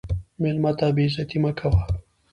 مېلمه ته بې عزتي مه کوه.